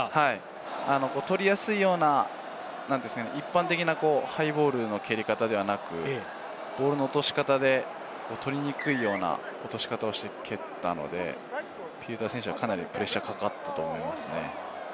取りやすいような、一般的なハイボールの蹴り方ではなく、ボールの落とし方で取りにくいような落とし方をして蹴ったので、ピウタウ選手はかなりプレッシャーがかかったと思いますね。